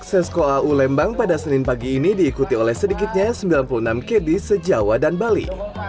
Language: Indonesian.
sesko au lembang pada senin pagi ini diikuti oleh sedikitnya sembilan puluh enam kd sejawa dan bali